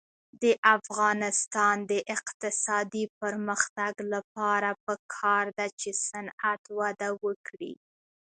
د افغانستان د اقتصادي پرمختګ لپاره پکار ده چې صنعت وده وکړي.